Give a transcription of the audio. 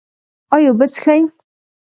ایا اوبه څښئ؟